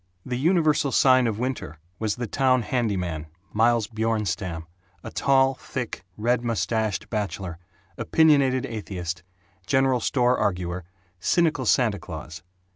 The universal sign of winter was the town handyman Miles Bjornstam, a tall, thick, red mustached bachelor, opinionated atheist, general store arguer, cynical Santa Claus.